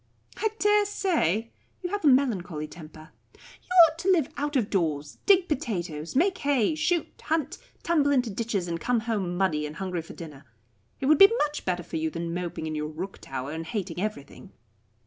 "I dare say. You have a melancholy temper. You ought to live out of doors, dig potatoes, make hay, shoot, hunt, tumble into ditches, and come home muddy and hungry for dinner. It would be much better for you than moping in your rook tower, and hating everything."